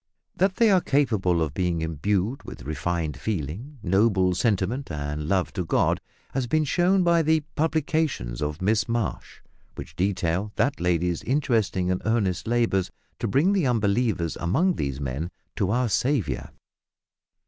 That they are capable of being imbued with refined feeling, noble sentiment, and love to God, has been shown by the publications of Miss Marsh, which detail that lady's interesting and earnest labours to bring the unbelievers among these men to our Saviour.